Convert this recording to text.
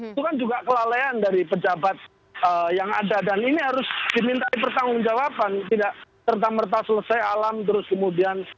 itu kan juga kelalaian dari pejabat yang ada dan ini harus dimintai pertanggung jawaban tidak serta merta selesai alam terus kemudian